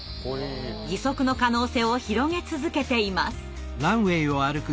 義足の可能性を広げ続けています。